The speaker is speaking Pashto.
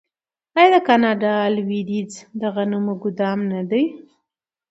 آیا د کاناډا لویدیځ د غنمو ګدام نه دی؟